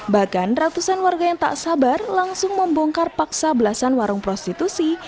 bahkan ratusan warga yang tak sabar langsung membongkar paksa belasan warung prostitusi